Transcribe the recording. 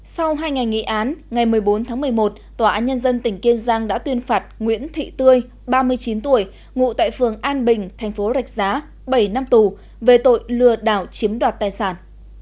sau hai ngày nghị án ngày một mươi bốn tháng một mươi một tòa án nhân dân tỉnh kiên giang đã tuyên phạt nguyễn thị tươi ba mươi chín tuổi ngụ tại phường an bình thành phố rạch giá bảy năm tù về tội lừa đảo chiếm đoạt tài sản